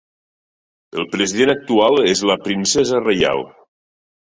El president actual és la Princesa Reial.